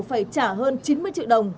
phải trả hơn chín mươi triệu đồng